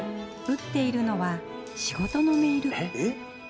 打っているのは仕事のメール。